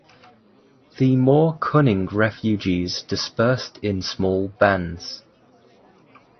The more cunning refugees dispersed in small bands.